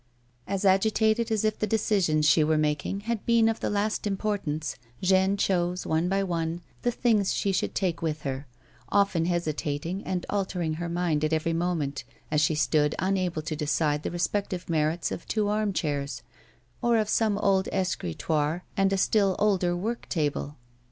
As agitated as if the decisions she were making had been of the last importance, Jeanne chose, one by one, the things she should take with her, often hesitating and altering her mind at every moment, as she stood unable to decide the respective merits of two armchairs, or of some old escritoire and a still older work table.